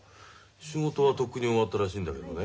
仕事はとっくに終わったらしいんだけどね